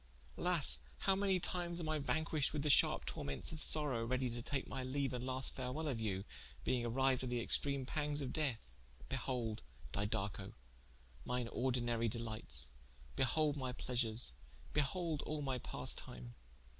Alas, how many times am I vanquished with the sharpe tormentes of sorowe, readie to take my leaue and last farewell of you, being arriued to the extreme panges of death. Behold Didaco mine ordinary delites, behold my pleasures, behold all my pastime.